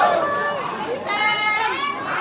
น้ำ